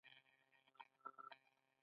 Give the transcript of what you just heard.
د سپي د چیچلو واکسین وکړم؟